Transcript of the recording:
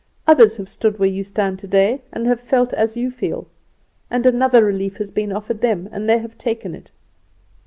Others have stood where you stand today, and have felt as you feel; and another relief has been offered them, and they have taken it.